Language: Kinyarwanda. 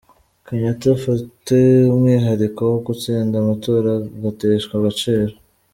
Kenyatta afite umwihariko wo gutsinda amatora agateshwa agaciro